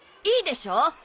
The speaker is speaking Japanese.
いいでしょ？